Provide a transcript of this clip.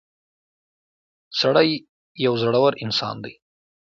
• سړی یو زړور انسان دی.